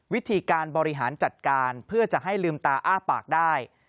วิธีการบริหารจัดการเพื่อจะให้ลืมตาอ้าปากได้